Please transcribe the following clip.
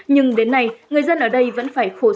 nhưng đến nay người dân ở đây vẫn phải khổ sát